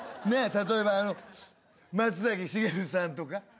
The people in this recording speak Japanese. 例えばあの松崎しげるさんとか。